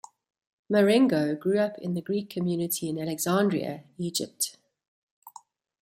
Marengo grew up in the Greek community in Alexandria, Egypt.